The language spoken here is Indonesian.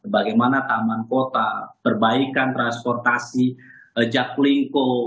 bagaimana taman kota perbaikan transportasi jaklingko